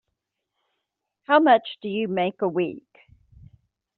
How much do you make a week?